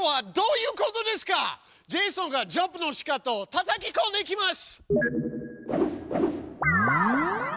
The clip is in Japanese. ジェイソンがジャンプのしかたをたたきこんできます！